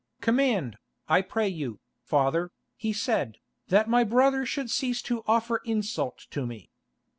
"Command, I pray you, father," he said, "that my brother should cease to offer insult to me.